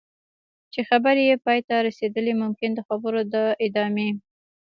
چې خبرې یې پای ته رسېدلي ممکن د خبرو د ادامې.